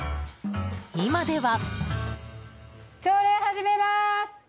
今では。